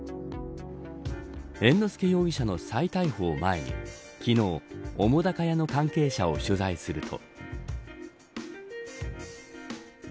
猿之助容疑者の再逮捕を前に昨日、澤瀉屋の関係者を取材すると。